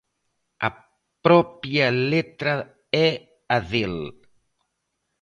A propia letra é a del.